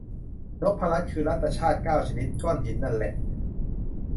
นพรัตน์ คือรัตนชาติเก้าชนิด ก้อนหินน่ะแหละ